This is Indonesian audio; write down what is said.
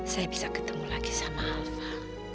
saya bisa ketemu lagi sama alva